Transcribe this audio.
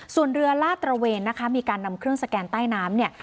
ส่วนเรือลาดตระเวนนะคะมีการนำเครื่องสแกนใต้น้ำเนี่ย